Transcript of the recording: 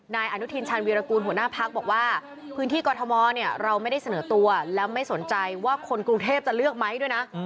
นายอนุทินชาญวีรกูลหัวหน้าพักบอกว่าพื้นที่กรทมเนี่ยเราไม่ได้เสนอตัวแล้วไม่สนใจว่าคนกรุงเทพจะเลือกไหมด้วยนะ